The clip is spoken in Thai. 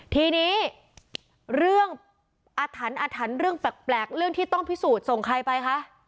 ทีนี้เรื่องอาถรรพ์อาถรรพ์เรื่องแปลกเรื่องที่ต้องพิสูจน์ส่งใครไปคะ